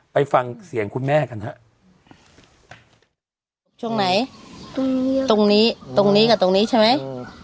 ไปฟังเสียงคุณแม่กันฮะช่วงไหนตรงนี้ตรงนี้กับตรงนี้ใช่ไหม